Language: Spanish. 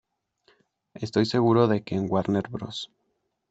Estoy seguro de que en Warner Bros.